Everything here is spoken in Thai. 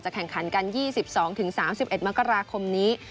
แข่งขันกัน๒๒๓๑มกราคมนี้